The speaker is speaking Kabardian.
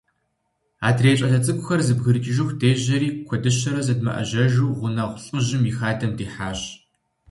Адрей щӀалэ цӀыкӀухэр зэбгрыкӀыжыху дежьэри, куэдыщэри зыдмыӀэжьэжу, гъунэгъу лӏыжьым и хадэм дихьащ.